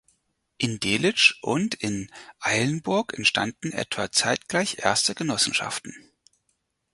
In Delitzsch und in Eilenburg entstanden etwa zeitgleich erste Genossenschaften.